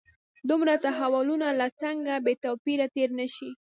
دومره تحولونو له څنګه بې توپیره تېر نه شي.